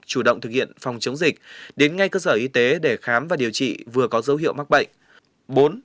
chủ động thực hiện phòng chống dịch đến ngay cơ sở y tế để khám và điều trị vừa có dấu hiệu mắc bệnh